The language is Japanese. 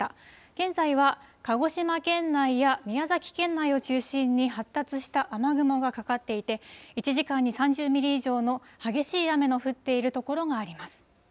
現在は鹿児島県内や宮崎県内を中心に発達した雨雲がかかっていて、１時間に３０ミリ以上の激しい雨の降っている所があります。